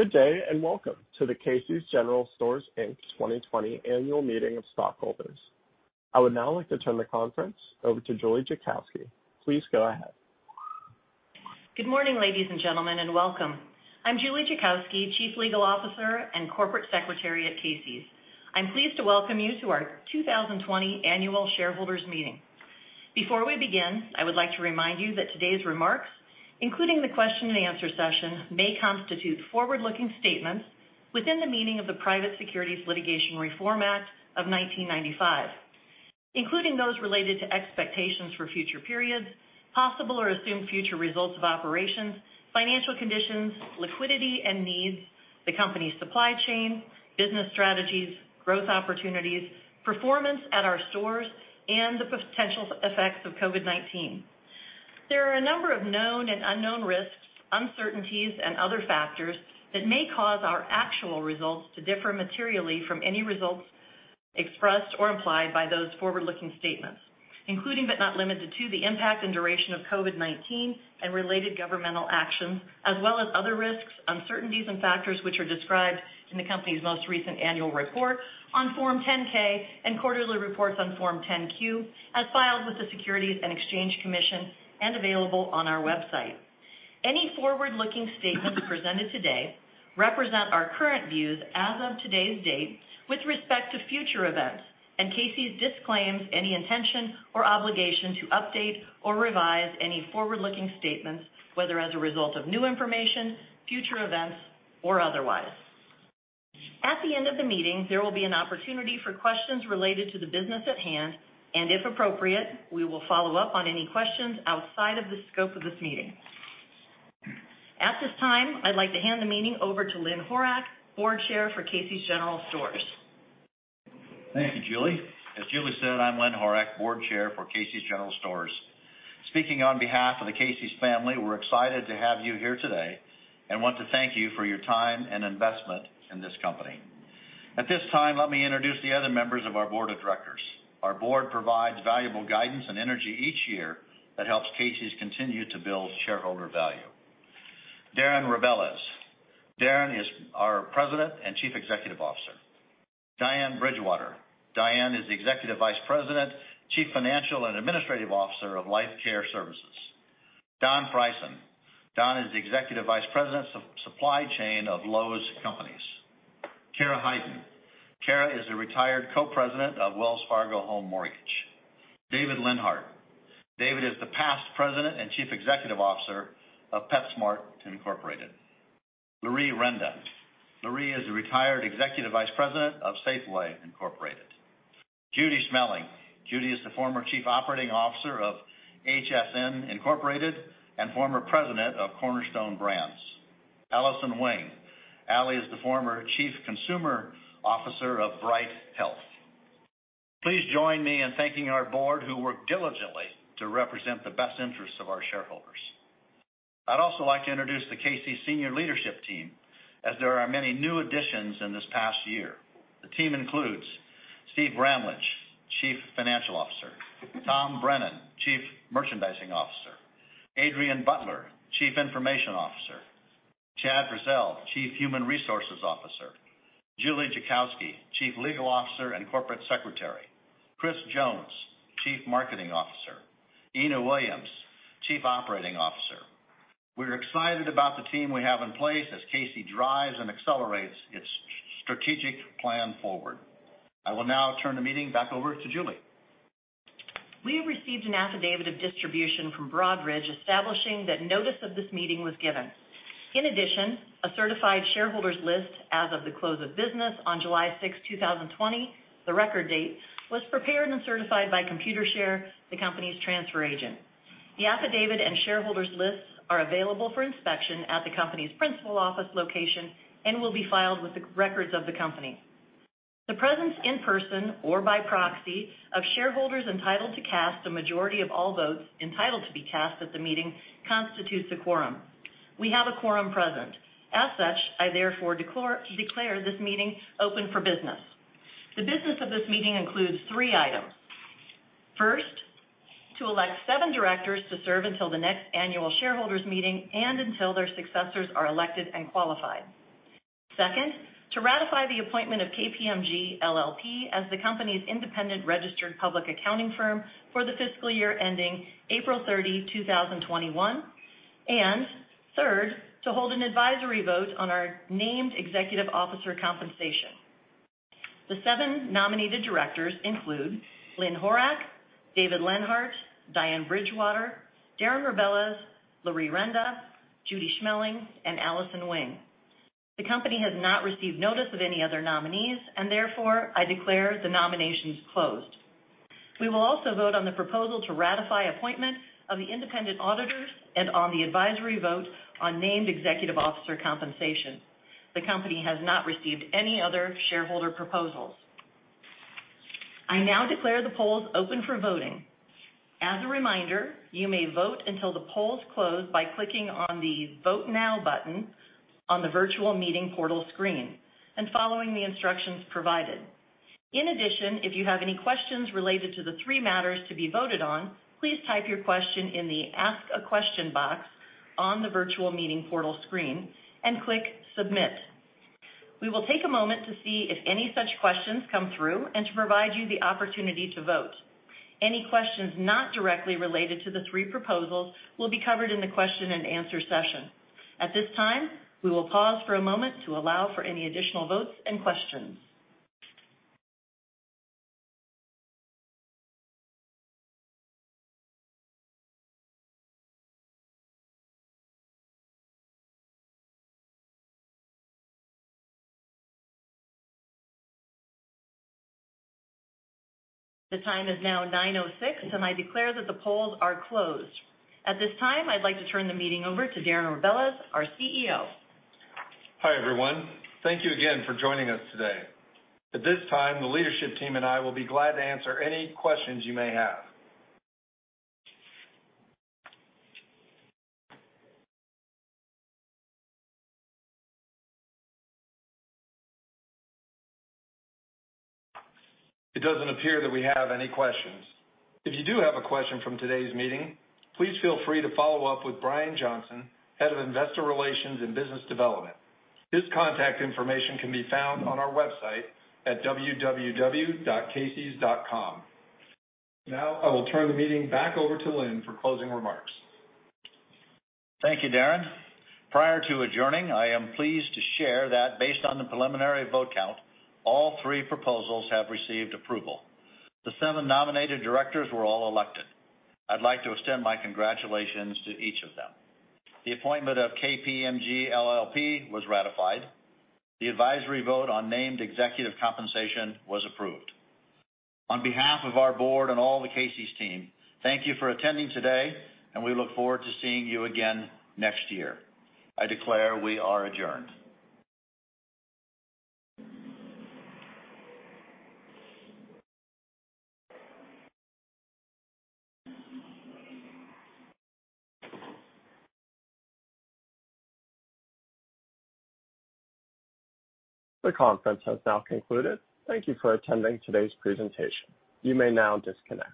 Good day and welcome to the Casey's General Stores 2020 Annual Meeting of Stockholders. I would now like to turn the conference over to Julie Jackowski. Please go ahead. Good morning, ladies and gentlemen, and welcome. I'm Julie Jackowski, Chief Legal Officer and Corporate Secretary at Casey's. I'm pleased to welcome you to our 2020 Annual Shareholders' Meeting. Before we begin, I would like to remind you that today's remarks, including the question-and-answer session, may constitute forward-looking statements within the meaning of the Private Securities Litigation Reform Act of 1995, including those related to expectations for future periods, possible or assumed future results of operations, financial conditions, liquidity and needs, the company's supply chain, business strategies, growth opportunities, performance at our stores, and the potential effects of COVID-19. There are a number of known and unknown risks, uncertainties, and other factors that may cause our actual results to differ materially from any results expressed or implied by those forward-looking statements, including but not limited to the impact and duration of COVID-19 and related governmental actions, as well as other risks, uncertainties, and factors which are described in the company's most recent annual report on Form 10-K and quarterly reports on Form 10-Q, as filed with the Securities and Exchange Commission and available on our website. Any forward-looking statements presented today represent our current views as of today's date with respect to future events, and Casey's disclaims any intention or obligation to update or revise any forward-looking statements, whether as a result of new information, future events, or otherwise. At the end of the meeting, there will be an opportunity for questions related to the business at hand, and if appropriate, we will follow up on any questions outside of the scope of this meeting. At this time, I'd like to hand the meeting over to Lynn Horak, Board Chair for Casey's General Stores. Thank you, Julie. As Julie said, I'm Lynn Horak, Board Chair for Casey's General Stores. Speaking on behalf of the Casey's family, we're excited to have you here today and want to thank you for your time and investment in this company. At this time, let me introduce the other members of our Board of Directors. Our board provides valuable guidance and energy each year that helps Casey's continue to build shareholder value. Darren Rebelez, Darren is our President and Chief Executive Officer. Diane Bridgewater, Diane is the Executive Vice President, Chief Financial and Administrative Officer of Life Care Services. Don Frieson, Don is the Executive Vice President of Supply Chain of Lowe's Companies. Cara Heiden, Cara is a retired co-president of Wells Fargo Home Mortgage. David Lenhardt, David is the past President and Chief Executive Officer of PetSmart Incorporated. Larree Renda, Larree is a retired Executive Vice President of Safeway Incorporated. Judy Schmeling, Judy is the former Chief Operating Officer of HSN Incorporated and former President of Cornerstone Brands. Allison Wing, Ali is the former Chief Consumer Officer of Bright Health. Please join me in thanking our board who worked diligently to represent the best interests of our shareholders. I'd also like to introduce the Casey's Senior Leadership Team, as there are many new additions in this past year. The team includes Steve Bramlage, Chief Financial Officer, Tom Brennan, Chief Merchandising Officer, Adrian Butler, Chief Information Officer, Chad Frazell, Chief Human Resources Officer, Julie Jackowski, Chief Legal Officer and Corporate Secretary, Chris Jones, Chief Marketing Officer, Ena Williams, Chief Operating Officer. We're excited about the team we have in place as Casey's drives and accelerates its strategic plan forward. I will now turn the meeting back over to Julie. We have received an affidavit of distribution from Broadridge, establishing that notice of this meeting was given. In addition, a certified shareholders' list as of the close of business on July 6, 2020, the record date, was prepared and certified by Computershare, the company's transfer agent. The affidavit and shareholders' lists are available for inspection at the company's principal office location and will be filed with the records of the company. The presence in person or by proxy of shareholders entitled to cast a majority of all votes entitled to be cast at the meeting constitutes a quorum. We have a quorum present. As such, I therefore declare this meeting open for business. The business of this meeting includes three items. First, to elect seven directors to serve until the next annual shareholders' meeting and until their successors are elected and qualified. Second, to ratify the appointment of KPMG LLP as the company's independent registered public accounting firm for the fiscal year ending April 30, 2021, and third, to hold an advisory vote on our named executive officer compensation. The seven nominated directors include Lynn Horak, David Lenhardt, Diane Bridgewater, Darren Rebelez,, Larree Renda, Judy Schmeling, and Allison Wing. The company has not received notice of any other nominees, and therefore I declare the nominations closed. We will also vote on the proposal to ratify appointment of the independent auditors and on the advisory vote on named executive officer compensation. The company has not received any other shareholder proposals. I now declare the polls open for voting. As a reminder, you may vote until the polls close by clicking on the Vote Now button on the virtual meeting portal screen and following the instructions provided. In addition, if you have any questions related to the three matters to be voted on, please type your question in the Ask a Question box on the virtual meeting portal screen and click Submit. We will take a moment to see if any such questions come through and to provide you the opportunity to vote. Any questions not directly related to the three proposals will be covered in the question and answer session. At this time, we will pause for a moment to allow for any additional votes and questions. The time is now 9:06 A.M., and I declare that the polls are closed. At this time, I'd like to turn the meeting over to Darren Rebelez, our CEO. Hi everyone. Thank you again for joining us today. At this time, the leadership team and I will be glad to answer any questions you may have. It doesn't appear that we have any questions. If you do have a question from today's meeting, please feel free to follow up with Brian Johnson, Head of Investor Relations and Business Development. His contact information can be found on our website at www.caseys.com. Now I will turn the meeting back over to Lynn for closing remarks. Thank you, Darren. Prior to adjourning, I am pleased to share that based on the preliminary vote count, all three proposals have received approval. The seven nominated directors were all elected. I'd like to extend my congratulations to each of them. The appointment of KPMG LLP was ratified. The advisory vote on named executive compensation was approved. On behalf of our board and all the Casey's team, thank you for attending today, and we look forward to seeing you again next year. I declare we are adjourned. The conference has now concluded. Thank you for attending today's presentation. You may now disconnect.